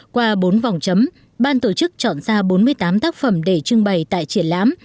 qua bốn vòng chấm ban tổ chức chọn ra bốn mươi tám tác phẩm để trưng bày tại triển lãm